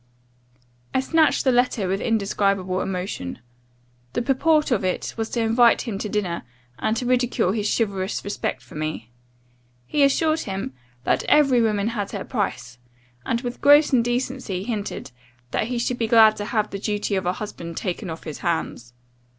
"I snatched the letter with indescribable emotion. The purport of it was to invite him to dinner, and to ridicule his chivalrous respect for me. He assured him, 'that every woman had her price, and, with gross indecency, hinted, that he should be glad to have the duty of a husband taken off his hands.